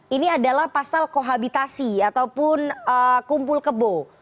ini adalah pasal kohabitasi ataupun kumpul kebo